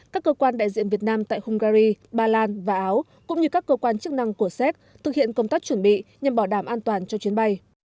các cơ quan đại diện việt nam tại hungary ba lan và áo cũng như các cơ quan chức năng của séc thực hiện công tác chuẩn bị nhằm bảo đảm an toàn cho chuyến bay